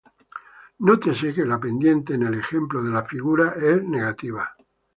Nótese que la pendiente en el ejemplo de la figura es negativa.